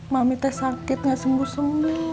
mami teh sakit gak sembuh sembuh